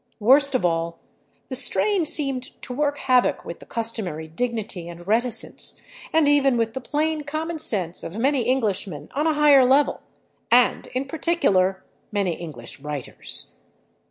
Worst of all, the strain seemed to work havoc with the customary dignity and reticence, and even with the plain commonsense of many Englishmen on a higher level, and in particular many English writers.